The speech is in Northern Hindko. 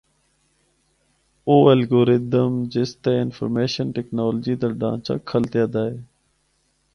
او الگورتھم جس تے انفارمیشن ٹیکنالوجی دا ڈھانچہ کھلتیا دا ہے۔